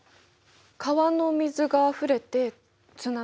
川の水があふれて津波？